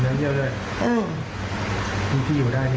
อืมน้ำผีอยู่ได้